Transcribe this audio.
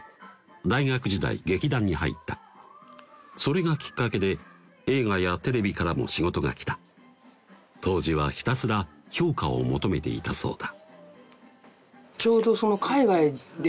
大学時代劇団に入ったそれがきっかけで映画やテレビからも仕事が来た当時はひたすら評価を求めていたそうだ